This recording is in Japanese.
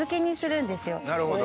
なるほど。